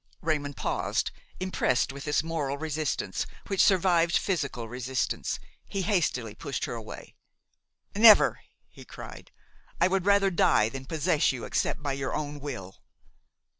Raymon paused, impressed with this moral resistance, which survived physical resistance. He hastily pushed her away. "Never!" he cried: "I would rather die than possess you except by your own will!"